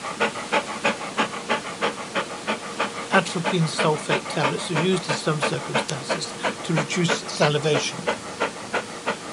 Atropine sulfate tablets are used in some circumstances to reduce salivation.